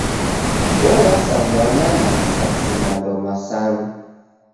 Olasa mwana na risasi mando masanu!